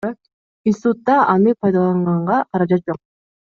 Институтта аны пайдаланганга каражат жок.